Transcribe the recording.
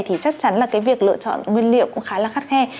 thì chắc chắn là cái việc lựa chọn nguyên liệu cũng khá là khắt khe